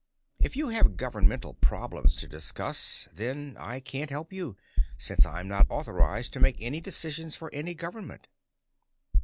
If you have governmental problems to discuss, then I can't help you, since I'm not authorized to make any decisions for any government."